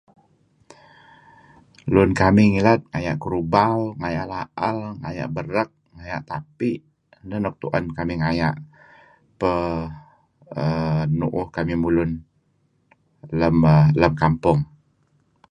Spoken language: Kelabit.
Lun kamih ngilad ngaya' kerubau, ngaya' la'al, ngaya' berek ngaya' tapi'. neh nuk tu'en kamih ngaya' peh err nu'uh kamih mulun lem kampong